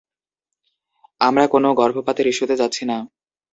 আমরা কোনও গর্ভপাতের ইস্যুতে যাচ্ছি না।